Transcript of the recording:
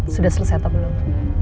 sudah selesai atau belum